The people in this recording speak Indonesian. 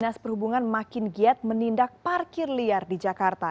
dinas perhubungan makin giat menindak parkir liar di jakarta